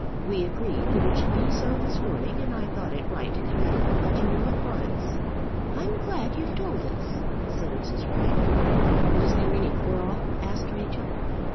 We agreed that it should be so this morning; and I thought it right to come out and let you know at once." "I'm glad you've told us," said Mrs. Ray. "Was there any quarrel?" asked Rachel.